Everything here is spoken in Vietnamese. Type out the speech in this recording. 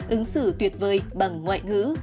ứng xử tuyệt vời bằng ngoại ngữ